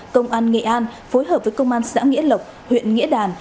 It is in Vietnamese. công an nghệ an phối hợp với công an xã nghĩa lộc huyện nghĩa đàn